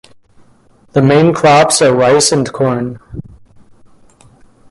The main crops are rice and corn.